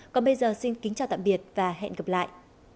còn bây giờ xin kính chào tạm biệt và hẹn gặp lại